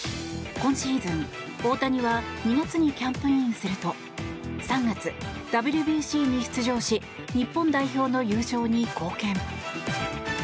今シーズン、大谷は２月にキャンプインすると３月、ＷＢＣに出場し日本代表の優勝に貢献。